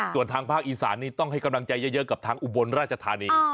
ส่วนทางภาคอีสานนี่ต้องให้กำลังใจเยอะกับทางอุบลราชธานี